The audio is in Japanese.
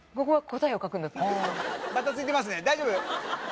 バタついてますね大丈夫？